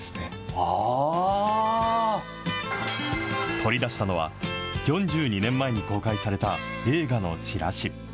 取り出したのは、４２年前に公開された映画のチラシ。